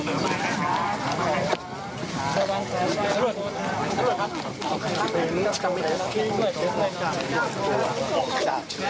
ขอบคุณครับครับขอบคุณทุกคนนะครับ